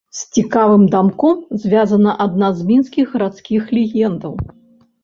З цікавым дамком звязаная адна з мінскіх гарадскіх легендаў.